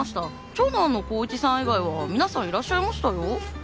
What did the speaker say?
長男の功一さん以外は皆さんいらっしゃいましたよ